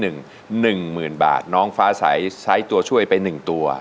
๑หมื่นบาทน้องฟ้าสัยใช้ตัวช่วยไป๑ตัว